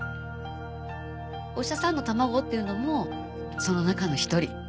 お医者さんの卵っていうのもその中の一人。